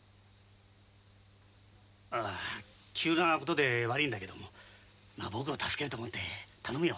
あ急なことで悪いんだけどもまあ僕を助けると思って頼むよ。